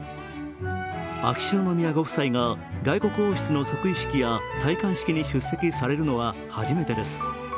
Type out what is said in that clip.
秋篠宮ご夫妻が外国王室の即位式や戴冠式に出席されるのは初めてです。